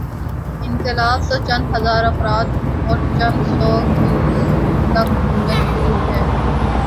انقلاب توچند ہزارافراد اور چندسو گز تک محدود تھا۔